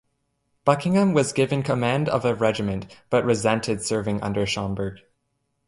Buckingham was given command of a regiment, but resented serving under Schomberg.